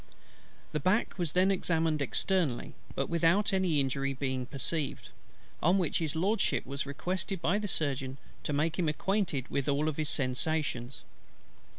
The back was then examined externally, but without any injury being perceived; on which His LORDSHIP was requested by the Surgeon to make him acquainted with all his sensations.